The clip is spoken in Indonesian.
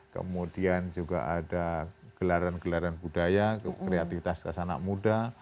kemudian juga ada gelaran gelaran budaya kreativitas anak muda